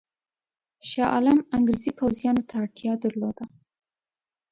شاه عالم انګرېزي پوځیانو ته اړتیا درلوده.